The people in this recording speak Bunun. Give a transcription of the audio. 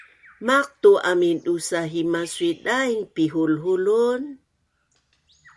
Maqtu amin dusa hima sui-daing pinhulhulun